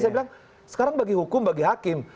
saya bilang sekarang bagi hukum bagi hakim